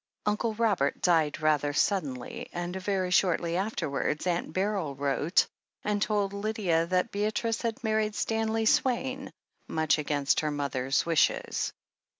Uncle Robert died rather suddenly, and very shortly afterwards Aunt Beryl wrote and told Lydia that Beatrice had married Stanley Swaine, much against her mother's wishes.